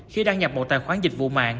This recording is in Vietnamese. khi đăng nhập một tài khoản dịch vụ